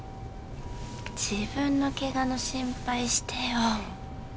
自分のケガの心配してよ